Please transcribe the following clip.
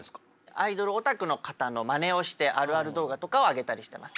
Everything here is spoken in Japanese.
アイドルオタクの方のまねをしてあるある動画とかを上げたりしてます。